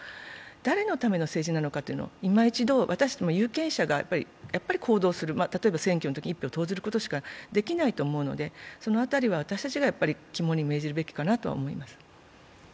誰のための政治なのかというのをいま一度、私ども有権者が行動する、例えば選挙のときに一票を投じることしかできないと思うのでその辺りは私たちが肝に銘じるべきだと思います。